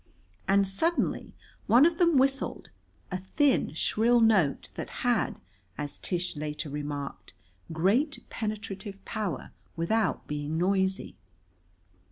And suddenly one of them whistled a thin, shrill note that had, as Tish later remarked, great penetrative power without being noisy.